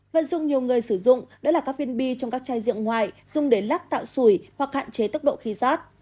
vật dung nhiều người sử dụng đó là các viên bi trong các chai diện ngoại dùng để lắc tạo sủi hoặc hạn chế tốc độ khí giót